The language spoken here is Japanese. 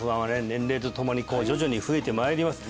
年齢とともに徐々に増えてまいります